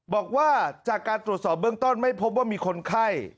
บอกว่าจากการตรวจสอบเบื้องต้นไม่พบว่ามีคนไข้